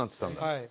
はい。